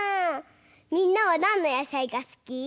みんなはなんのやさいがすき？